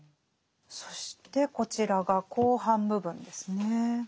そしてこちらが後半部分ですね。